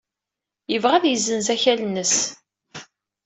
Yebɣa ad yessenz akal-nnes.